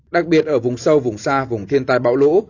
đặc biệt ở vùng sâu vùng xa vùng thiên tai bão lũ